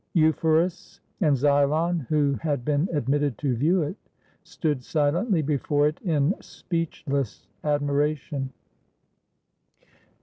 Euphorus and Xylon, who had been admitted to view it, stood silently before it in speechless admiration.